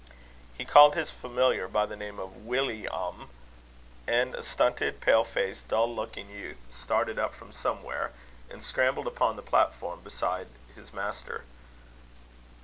He called his familiar by the name of Willi am, and a stunted, pale faced, dull looking youth started up from somewhere, and scrambled upon the platform beside his master.